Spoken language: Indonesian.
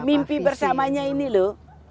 mimpi bersamanya ini loh